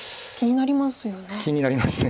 気になりますよね。